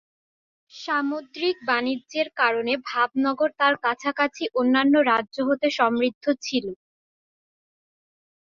সামুদ্রিক বাণিজ্যের কারণে ভাবনগর তার কাছাকাছি অন্যান্য রাজ্য হতে সমৃদ্ধ ছিল।